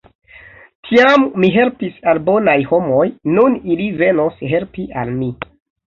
Tiam mi helpis al bonaj homoj, nun ili venos helpi al mi!